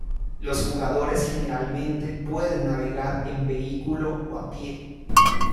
Los jugadores generalmente pueden navegar en vehículo o a pie.